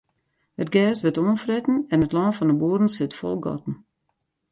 It gers wurdt oanfretten en it lân fan de boeren sit fol gatten.